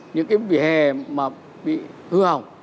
những cái vỉa hè mà bị hư hỏng